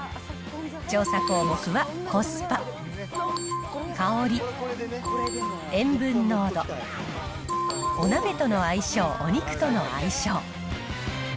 調査項目は、コスパ、香り、塩分濃度、お鍋との相性、お肉との相性。